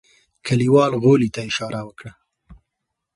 کليوال غولي ته اشاره وکړه.